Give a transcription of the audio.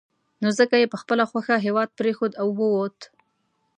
نو ځکه یې په خپله خوښه هېواد پرېښود او ووت.